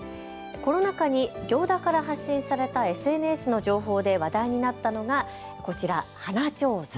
この中に行田から発信されたＳＮＳの情報で話題になったのがこちら、花ちょうず。